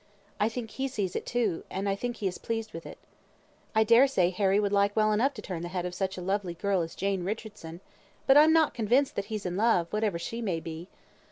I think he sees it, too, and I think he is pleased with it." "I dare say Harry would like well enough to turn the head of such a lovely girl as Jane Richardson. But I'm not convinced that he is in love, whatever she may be."